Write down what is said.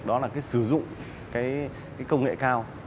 đó là sử dụng công nghệ cao